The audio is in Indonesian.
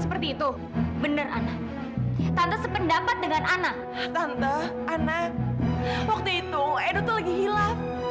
seperti itu bener anak tante sependapat dengan anak tante anak waktu itu aduh tuh lagi hilaf